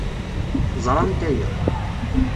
Ẓrant aya.